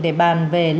để bàn về những vấn đề